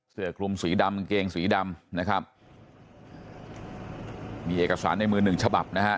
คลุมสีดำกางเกงสีดำนะครับมีเอกสารในมือหนึ่งฉบับนะฮะ